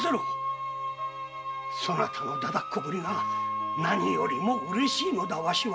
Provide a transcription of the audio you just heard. そなたのダダっ子ぶりが何よりもうれしいのだわしは。